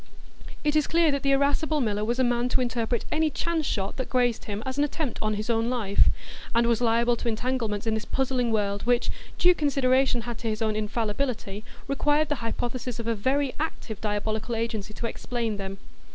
It is clear that the irascible miller was a man to interpret any chance shot that grazed him as an attempt on his own life, and was liable to entanglements in this puzzling world, which, due consideration had to his own infallibility, required the hypothesis of a very active diabolical agency to explain them.